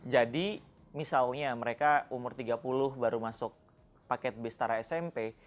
jadi misalnya mereka umur tiga puluh baru masuk paket bestara smp